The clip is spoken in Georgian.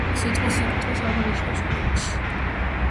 სიტყვასიტყვით აღნიშნავს „ოლქს“.